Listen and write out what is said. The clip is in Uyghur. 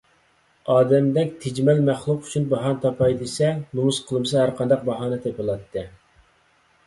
ئادەمدەك تىجىمەل مەخلۇق ئۈچۈن باھانە تاپاي دېسە، نومۇس قىلمىسا ھەرقانداق باھانە تېپىلاتتى.